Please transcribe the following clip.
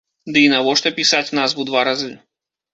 Да і навошта пісаць назву два разы?